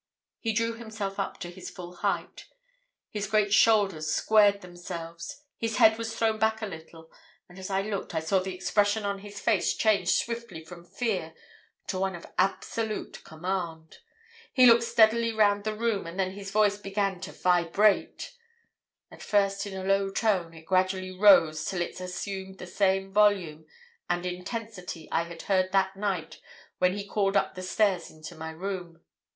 "He drew himself up to his full height. His great shoulders squared themselves. His head was thrown back a little, and as I looked I saw the expression on his face change swiftly from fear to one of absolute command. He looked steadily round the room and then his voice began to vibrate. At first in a low tone, it gradually rose till it assumed the same volume and intensity I had heard that night when he called up the stairs into my room.